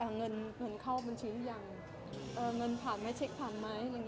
เงินเงินเข้าบัญชีหรือยังเงินผ่านไหมเช็คผ่านไหม